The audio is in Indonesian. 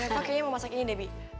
reva kayaknya mau masak ini deh bi